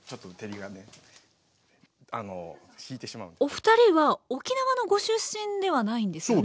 お二人は沖縄のご出身ではないんですよね？